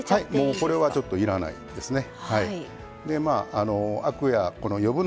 もうこれはちょっといらないですね。